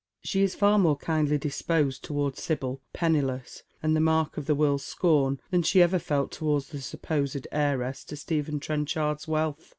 She is far more kindly disposed towards Sibyl, penniless, and the mark of the world's scorn, than she ever felt towards the supposed heiress to Stephen Trenchard's wealth.